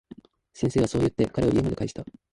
先生はそう言って、彼を家まで帰した。